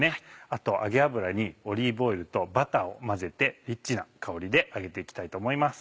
あと揚げ油にオリーブオイルとバターを混ぜてリッチな香りで揚げて行きたいと思います。